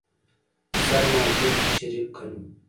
سرمحقق شريف کنه.